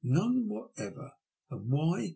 None whatever. And why ?